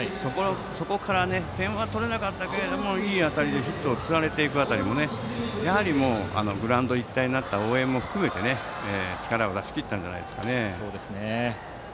そこから点は取れなかったけれどもいい当たりでヒットをつなげていく辺りもやはりグラウンド一体になった応援も含めて力を出し切ったんじゃないですかね。